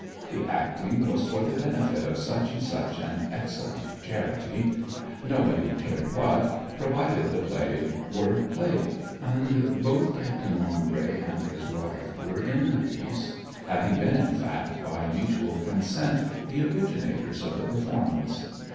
The acting was for the benefit of such and such an excellent charity nobody cared what, provided the play were played and both Captain Maumbry and his wife were in the piece, having been in fact, by mutual consent, the originators of the performance.